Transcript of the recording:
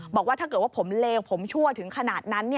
บอกว่าถ้าเกิดว่าผมเลวผมชั่วถึงขนาดนั้น